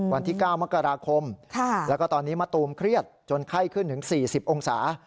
วันที่๙มกราคมแล้วก็ตอนนี้มะตูมเครียดจนไข้ขึ้นถึง๔๐องศา